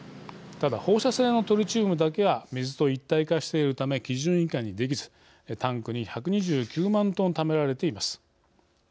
ただ放射性のトリチウムだけは水と一体化しているため基準以下にできずタンクに１２９万トンためられています。